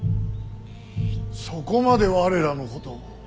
そこまで我らのことを。